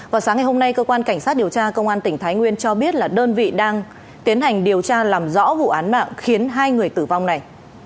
vào sáng ngày hôm nay cơ quan cảnh sát điều tra công an tỉnh thái nguyên cho biết là đơn vị đang tiến hành điều tra làm rõ vụ án mạng khiến hai người tử vong này